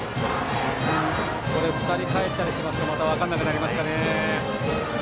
２人かえったりしますとまた分からなくなりますね。